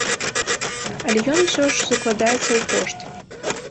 Але ён усё ж закладаецца ў кошт.